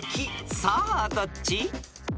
さあどっち？］